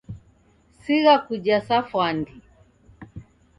Sigha kuja sa fwandi